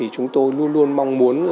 chúng tôi luôn luôn mong muốn